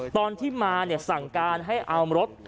ตอนที่มาสั่งการให้เอารถ